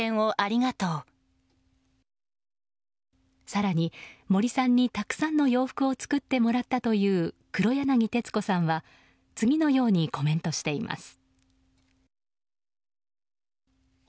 更に、森さんにたくさんの洋服を作ってもらったという黒柳徹子さんは次のようにコメントしています。